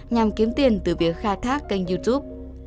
nhằm kiếm tiền từ việc khai thác kênh youtube